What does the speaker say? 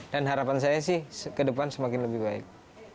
dan harapan saya sih ke depan semakin lebih baik